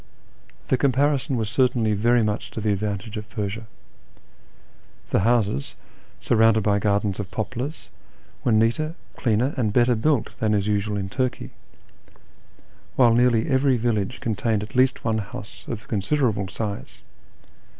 The comparison was certainly very much to the advantage of Persia. The houses, surrounded by gardens of poplars, were neater, cleaner, and better built than is usual in Turkey ; while nearly every village contained at least one house of considerable size.